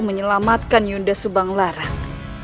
menyelamatkan yunda subanglarang